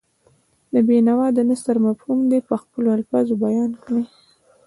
د بېنوا د نثر مفهوم دې په خپلو الفاظو بیان کړي.